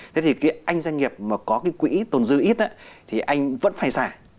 thế thì anh doanh nghiệp mà có cái quỹ tồn dư ít thì anh vẫn phải giải